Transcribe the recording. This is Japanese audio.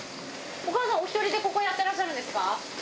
お母さん、お一人でここやってらっしゃるんですか。